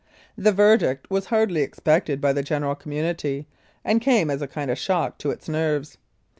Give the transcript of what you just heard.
The verdict was hardly ex pected by the general community, and came as a kind of shock to its nerves.